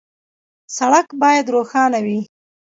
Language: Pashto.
سړک باید روښانه وي.